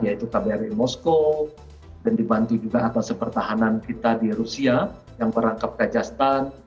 yaitu kbri moskow dan dibantu juga atas pertahanan kita di rusia yang merangkap kajastan